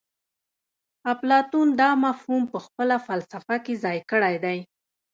اپلاتون دا مفهوم په خپله فلسفه کې ځای کړی دی